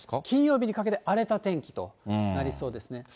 金曜日にかけて荒れた天気となりそうですね。